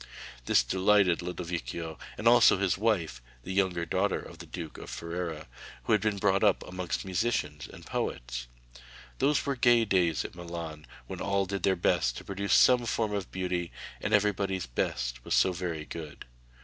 This delighted Lodovico and also his wife, the young daughter of the Duke of Ferrara, who had been brought up amongst musicians and poets. Those were gay days at Milan, when all did their best to produce some form of beauty and everybody's 'best' was so very good.